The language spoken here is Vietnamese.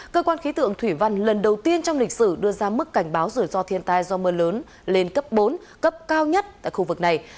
cơ quan khí tượng thủy văn lần đầu tiên trong lịch sử đưa ra mức cảnh báo rủi ro thiên tai do mưa lớn lên cấp bốn cấp cao nhất tại khu vực này